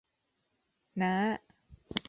น้า